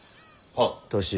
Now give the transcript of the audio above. はっ。